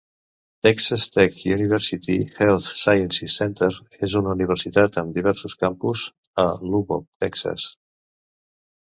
Texas Tech University Health Sciences Center és una universitat amb diversos campus a Lubbock, Texas.